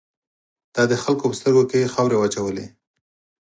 تا د خلکو په سترګو کې خاورې واچولې.